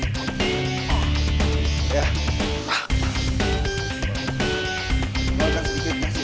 kemalkan sedikitnya sih